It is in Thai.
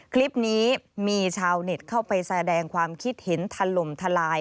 คลิปนี้มีชาวเน็ตเข้าไปแสดงความคิดเห็นถล่มทลาย